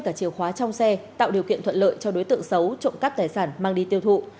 cả chiều khóa trong xe tạo điều kiện thuận lợi cho đối tượng xấu trộm cắp tài sản mang đi tiêu thụ